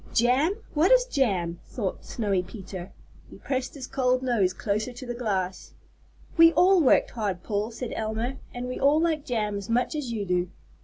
"Jam! what is jam?" thought Snowy Peter. He pressed his cold nose closer to the glass. "We all worked hard, Paul," said Elma, "and we all like jam as much as you do.